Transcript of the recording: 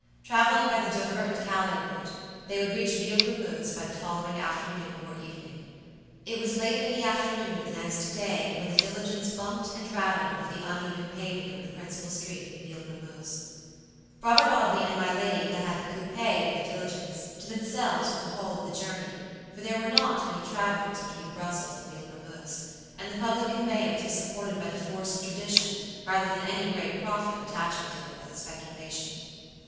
Traveling by the Dover and Calais route, they would reach Villebrumeuse by the following afternoon or evening. It was late in the afternoon of the next day when the diligence bumped and rattled over the uneven paving of the principal street in Villebrumeuse. Robert Audley and my lady had had the coupé of the diligence to themselves for the whole of the journey, for there were not many travelers between Brussels and Villebrumeuse, and the public conveyance was supported by the force of tradition rather than any great profit attaching to it as a speculation.